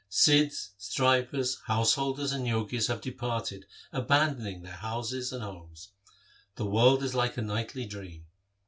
Sidhs, Strivers, householders, and Jogis have departed abandoning their houses and homes. The world is like a nightly dream.